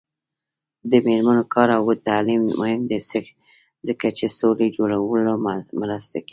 د میرمنو کار او تعلیم مهم دی ځکه چې سولې جوړولو مرسته کوي.